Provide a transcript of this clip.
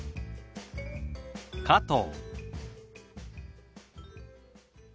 「加藤」。